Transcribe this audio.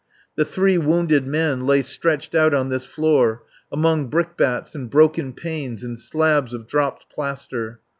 The three wounded men lay stretched out on this floor, among brickbats and broken panes and slabs of dropped plaster.